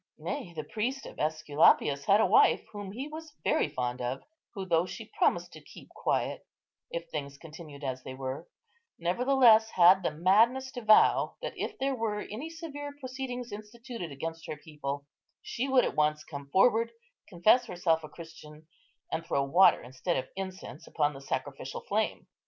Nay, the priest of Esculapius had a wife, whom he was very fond of, who, though she promised to keep quiet, if things continued as they were, nevertheless had the madness to vow that, if there were any severe proceedings instituted against her people, she would at once come forward, confess herself a Christian, and throw water, instead of incense, upon the sacrificial flame.